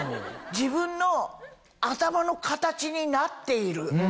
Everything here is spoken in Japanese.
自分の頭の形になっている。